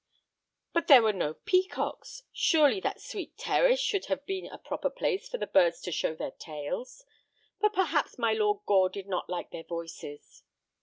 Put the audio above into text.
"But there were no peacocks! Surely that sweet terrace should have been a proper place for the birds to show their tails! But perhaps my Lord Gore did not like their voices?"